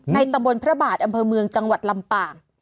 ตำบลพระบาทอำเภอเมืองจังหวัดลำปาง